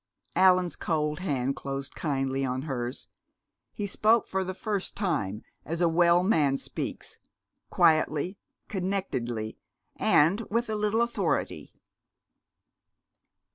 Allan's cold hand closed kindly on hers. He spoke for the first time as a well man speaks, quietly, connectedly, and with a little authority.